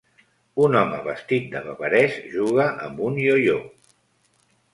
Un home vestit de bavarès juga amb un io-io.